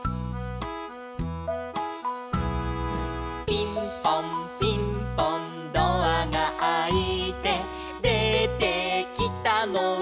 「ピンポンピンポンドアがあいて」「出てきたのは」